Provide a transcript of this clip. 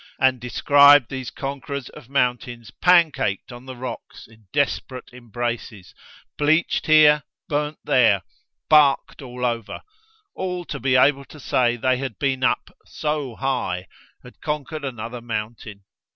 and described these conquerors of mountains pancaked on the rocks in desperate embraces, bleached here, burned there, barked all over, all to be able to say they had been up "so high" had conquered another mountain!